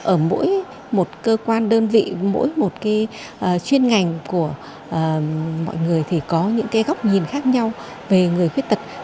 ở mỗi một cơ quan đơn vị mỗi một cái chuyên ngành của mọi người thì có những cái góc nhìn khác nhau về người khuyết tật